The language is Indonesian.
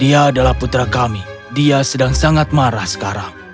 dia adalah putra kami dia sedang sangat marah sekarang